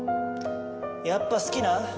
やっぱ好きなん？